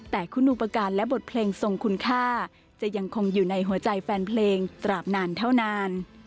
แต่คุณอุปการณ์และบทเพลงทรงคุณค่าจะยังคงอยู่ในหัวใจแฟนเพลงตราบนานเท่านาน